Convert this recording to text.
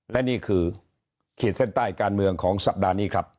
และนี่คือขีดเส้นใต้การเมืองของสัปดาห์นี้ครับ